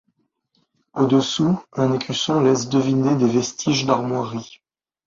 Au-dessous, un écusson laisse deviner des vestiges d'armoiries.